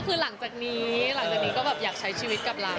ก็คือหลังจากนี้ก็อยากใช้ชีวิตกับร้าน